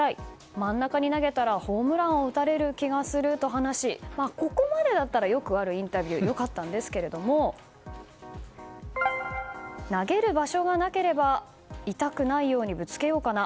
真ん中に投げたらホームランを打たれる気がすると話しここまでだったらよくあるインタビュー良かったんですけれども投げる場所がなければ痛くないようにぶつけようかな。